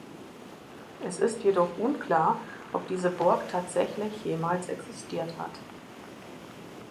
Es ist jedoch unklar, ob diese Burg tatsächlich jemals existiert hat.